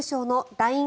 ＬＩＮＥ